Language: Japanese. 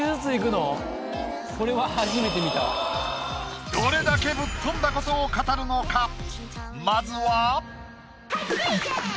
これは初めて見たわどれだけぶっ飛んだことを語るのか？